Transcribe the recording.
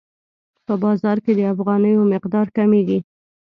په بازار کې د افغانیو مقدار کمیږي.